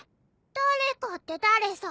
誰かって誰さ？